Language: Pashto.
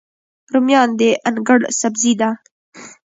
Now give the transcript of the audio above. رومیان د انګړ سبزي ده